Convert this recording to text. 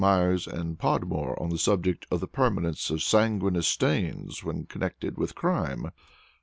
Myers and Podmore on the subject of the Permanence of Sanguineous Stains when connected with Crime.